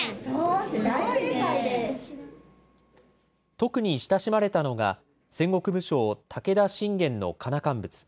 特に親しまれたのが、戦国武将、武田信玄のかなかんぶつ。